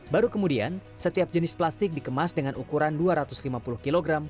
baru kemudian setiap jenis plastik dikemas dengan ukuran dua ratus lima puluh kg